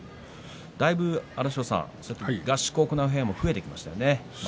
だいぶ荒汐さん合宿を行う部屋増えてきましたね。